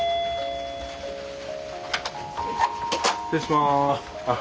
失礼します。